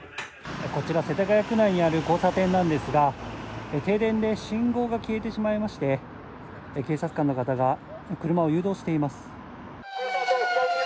こちら世田谷区内にある交差点なんですが停電で信号が消えてしまいまして警察官の方が車を誘導しています。